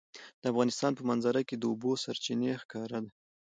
د افغانستان په منظره کې د اوبو سرچینې ښکاره ده.